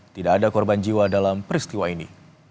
tidak ada korban jiwa dalam peristiwa ini